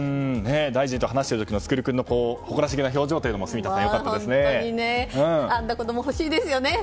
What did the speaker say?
大臣と話をしている時の創君の誇らしげな表情もあんな子供、欲しいですよね。